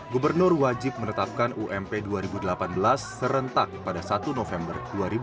gubernur wajib menetapkan ump dua ribu delapan belas serentak pada satu november dua ribu delapan belas